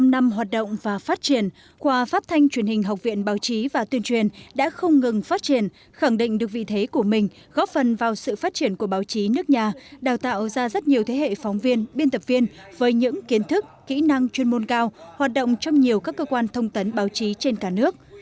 bảy mươi năm năm hoạt động và phát triển khoa phát thanh truyền hình học viện báo chí và tuyên truyền đã không ngừng phát triển khẳng định được vị thế của mình góp phần vào sự phát triển của báo chí nước nhà đào tạo ra rất nhiều thế hệ phóng viên biên tập viên với những kiến thức kỹ năng chuyên môn cao hoạt động trong nhiều các cơ quan thông tấn báo chí trên cả nước